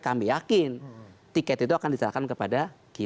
kami yakin tiket itu akan diserahkan kepada kita